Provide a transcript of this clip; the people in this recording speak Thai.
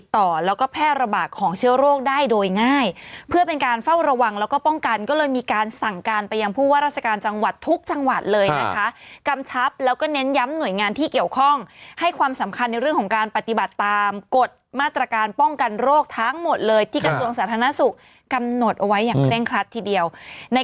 แต่ก็กลายเป็นว่าทุกจังหวัดต้องคุมเข้มให้ดีเลยละ